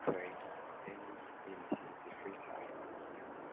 Sarpong plays tennis in his free time.